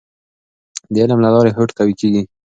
د علم له لارې هوډ قوي کیږي.